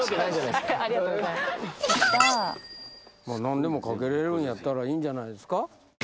何でもかけれるんやったらいいんじゃないですか？